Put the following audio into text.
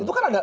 itu kan ada